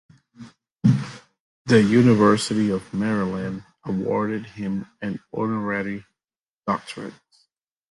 The University of Maryland awarded him an honorary doctorate.